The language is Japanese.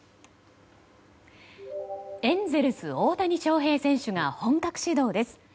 エンゼルス大谷翔平選手が本格始動です。